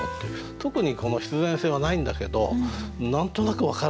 特にこの必然性はないんだけど何となく分かるっていうかね